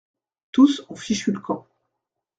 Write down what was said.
Tous ont fichu le camp.